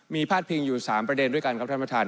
มีพาดพิงอยู่๓ประเด็นด้วยกันครับท่านประธาน